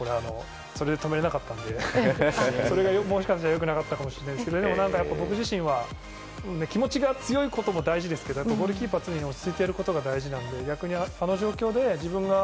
それで止められなかったのでそれがもしかして良くなかったのかもしれないですけどでも僕自身は気持ちが強いことも大事ですけどゴールキーパーは常に落ち着いてやることが大事なので逆に、あの状況で自分が。